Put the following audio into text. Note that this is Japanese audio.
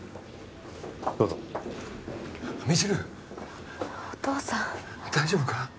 どうぞ未知留お父さん大丈夫か？